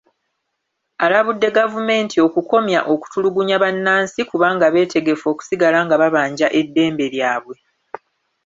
Alabudde gavumenti okukomya okutulugunya bannansi kubanga beetegefu okusigala nga babanja eddembe lyabwe.